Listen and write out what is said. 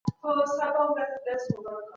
زده کوونکي په خپلو کمپیوټرونو کي کوډونه لیکي.